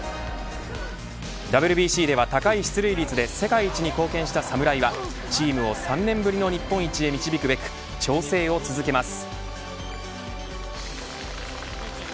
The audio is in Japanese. ＷＢＣでは高い出塁率で世界一に貢献した侍はチームを３年ぶりの日本一へ導くべく調整を続けます。